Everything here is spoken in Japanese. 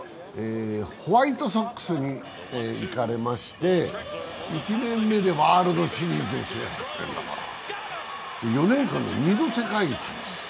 ホワイトソックスに行かれまして１年目でワールドシリーズ制覇、４年間で２度世界一に。